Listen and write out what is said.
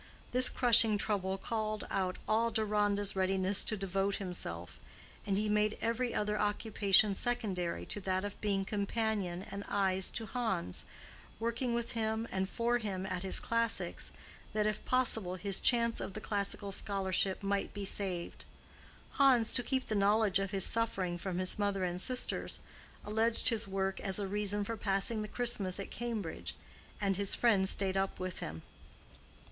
This crushing trouble called out all Deronda's readiness to devote himself, and he made every other occupation secondary to that of being companion and eyes to Hans, working with him and for him at his classics, that if possible his chance of the classical scholarship might be saved. Hans, to keep the knowledge of his suffering from his mother and sisters, alleged his work as a reason for passing the Christmas at Cambridge, and his friend stayed up with him.